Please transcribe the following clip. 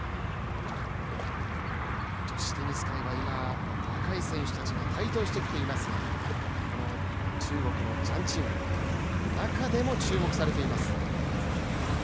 女子テニス界は今、若い選手たちが台頭してきていますがこの中国のジャン・チンウェン、中でも注目されています。